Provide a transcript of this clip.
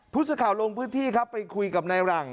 พุธชาวโรงพื้นที่ครับไปคุยกับนายรัง